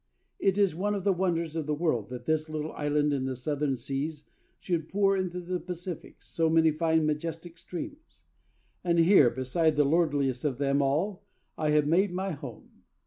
It is one of the wonders of the world that this little island in the southern seas should pour into the Pacific so many fine majestic streams. And here, beside the lordliest of them all, I have made my home.